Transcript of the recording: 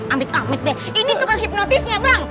amit amit deh ini tukang hipnotisnya bang